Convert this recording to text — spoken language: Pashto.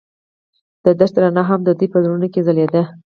د دښته رڼا هم د دوی په زړونو کې ځلېده.